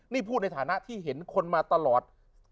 นี่พูดในฐานะที่เห็นคนมาตลอด